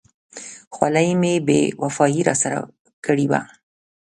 خولۍ مې بې وفایي را سره کړې وه.